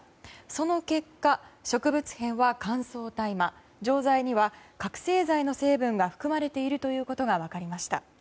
その結果、植物片は乾燥大麻錠剤には覚醒剤の成分が含まれているということが分かりました。